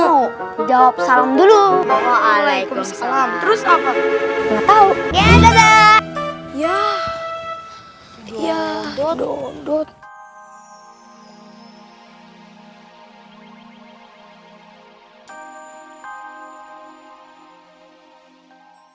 mau jawab salam dulu waalaikumsalam terus apa nggak tahu ya ya ya doon doon